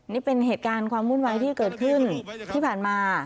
นี่เป็นเหตุการณ์ความวุ่นวายที่เกิดขึ้นที่ผ่านมา